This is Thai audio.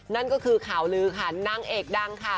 นั่นก็คือข่าวลือค่ะนางเอกดังค่ะ